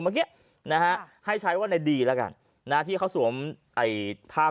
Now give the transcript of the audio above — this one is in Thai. เมื่อกี้นะฮะให้ใช้ว่าในดีแล้วกันนะที่เขาสวมไอ้ภาพ